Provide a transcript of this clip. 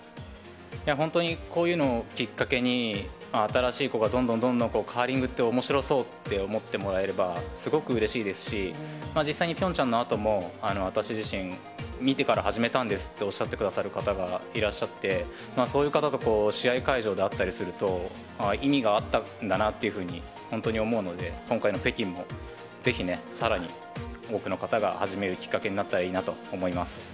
本当に、こういうのをきっかけに、新しい子がどんどんどんどんカーリングっておもしろそうって思ってもらえればすごくうれしいですし、実際にピョンチャンのあとも、私自身、見てから始めたんですっておっしゃってくださる方がいらっしゃって、そういう方とこう、試合会場で会ったりすると、ああ、意味があったんだなっていうふうに、本当に思うので、今回の北京も、ぜひね、さらに多くの方が始めるきっかけになったらいいなと思います。